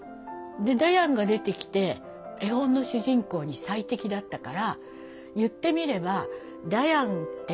でダヤンが出てきて絵本の主人公に最適だったから言ってみればダヤンっていう猫が生まれた。